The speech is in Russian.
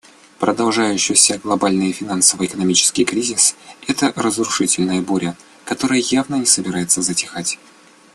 Продолжающийся глобальный финансово-экономический кризис — это разрушительная буря, которая явно не собирается затихать.